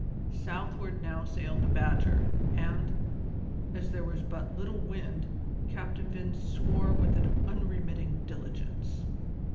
Southward now sailed the Badger, and, as there was but little wind, Captain Vince swore with an unremitting diligence.